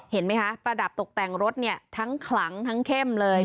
เห็นไหมคะประดับตกแต่งรถเนี่ยทั้งขลังทั้งเข้มเลย